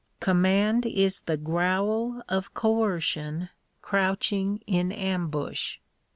Command is the growl of coercion crouching in ambush.